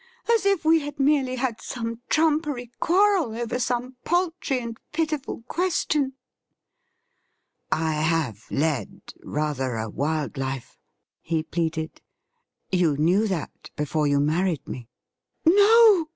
' As if we had merely had some trumpery quarrel over some paltry and pitiful question !'' I have lead rather a wild life,' he pleaded. ' You knew that before you married me.' ' No